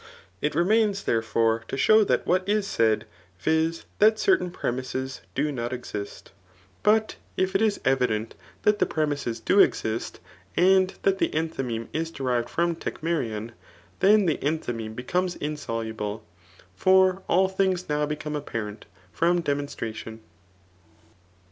It remains, therefore^ to diow diat what is said, [viz. that certain pcemises] do not east. But if it is evident that the premises do exist, and tbat the enthymeme is derived from tecmerum^ then the en diymeme becomes insoluble. For all things now become ^parent from demonstration.